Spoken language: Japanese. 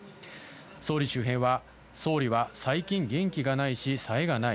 総理周辺は、総理は最近、元気がないし、さえがない。